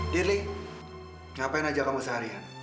dearly ngapain aja kamu seharian